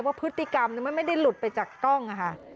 ว่าพฤติกรรมมันไม่ได้หลุดไปจากกล้องค่ะ